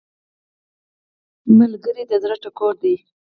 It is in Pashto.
ملګری د زړه ټکور دی